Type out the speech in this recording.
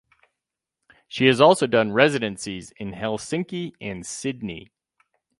She has also done residencies in Helsinki and Sydney.